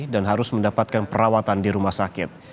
harus mendapatkan perawatan di rumah sakit